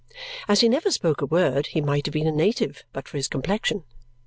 As he never spoke a word, he might have been a native but for his complexion.